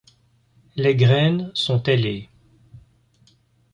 Les graines sont ailées.